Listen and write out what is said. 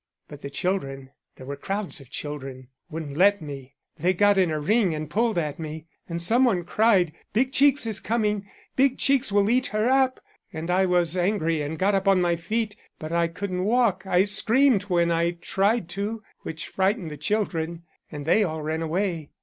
But the children there were crowds of children wouldn't let me. They got in a ring and pulled at me, and some one cried: 'Big cheeks is coming! Big cheeks will eat her up,' and I was angry and got up on my feet. But I couldn't walk; I screamed when I tried to, which frightened the children, and they all ran away.